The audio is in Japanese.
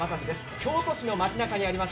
京都市の町なかにあります